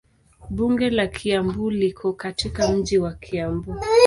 Bunge la Kiambu liko katika mji wa Kiambu.